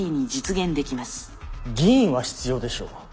議員は必要でしょう。